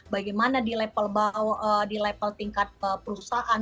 bagaimana di level tingkat perusahaan